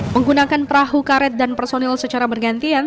menggunakan perahu karet dan personil secara bergantian